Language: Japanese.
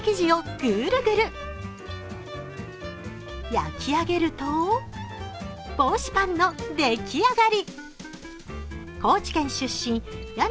焼き上げると、ぼうしパンの出来上がり。